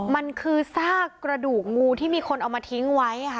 มันคือซากกระดูกงูที่มีคนเอามาทิ้งไว้ค่ะ